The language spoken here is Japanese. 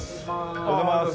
おはようございます。